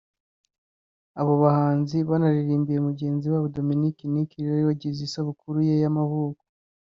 Abo bahanzi banaririmbiye mugenzi wabo Dominic Nic wari wagize isabukuru ye y’amavuko